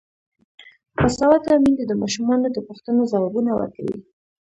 باسواده میندې د ماشومانو د پوښتنو ځوابونه ورکوي.